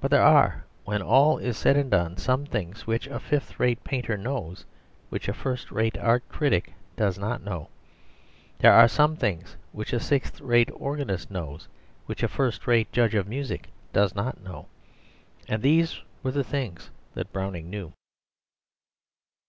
But there are, when all is said and done, some things which a fifth rate painter knows which a first rate art critic does not know; there are some things which a sixth rate organist knows which a first rate judge of music does not know. And these were the things that Browning knew.